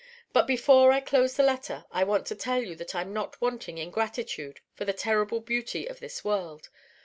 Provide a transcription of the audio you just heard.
But before I close the letter I want to tell you that I'm not wanting in gratitude for the terrible beauty of this world.